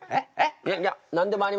いやいや何でもありません。